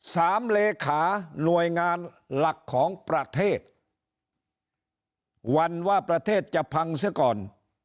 เลขาหน่วยงานหลักของประเทศวันว่าประเทศจะพังเสียก่อน